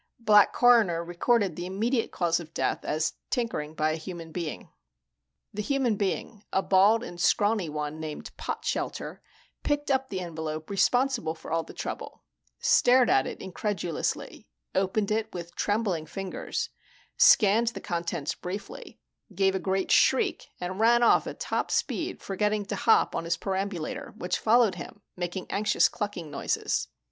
Black Coroner recorded the immediate cause of death as tinkering by a human being. The human being, a bald and scrawny one named Potshelter, picked up the envelope responsible for all the trouble, stared at it incredulously, opened it with trembling fingers, scanned the contents briefly, gave a great shriek and ran off at top speed, forgetting to hop on his perambulator, which followed him making anxious clucking noises.